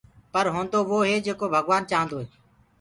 پر هونٚدو وو هي جيڪو ڀگوآن چآهندوئي